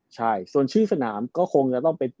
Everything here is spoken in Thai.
ใช่ส่วนชื่อสนามก็คงจะต้องเป็น